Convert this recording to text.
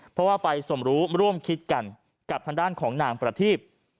เพราะว่าไปสมรู้ร่วมคิดกันกับทางด้านของนางประทีบ